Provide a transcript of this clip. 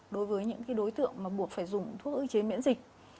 đối với những cái đối tượng mà buộc phải dùng thuốc ức chế miễn dịch